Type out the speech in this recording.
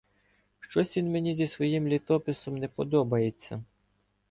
— Щось він мені зі своїм "літописом" не подобається.